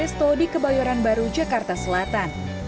resto di kebayoran baru jakarta selatan